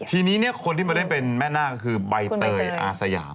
ทีนี้คนที่มาเล่นเป็นแม่นาคคือใบเตยอาสยาม